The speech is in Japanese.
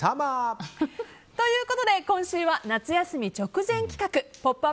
ということで今週は夏休み直前企画「ポップＵＰ！」